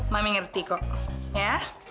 mami ngerti kok ya